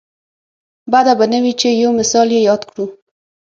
بده به نه وي چې یو مثال یې یاد کړو.